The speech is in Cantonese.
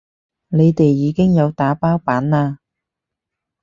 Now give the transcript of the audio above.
你哋已經有打包版啦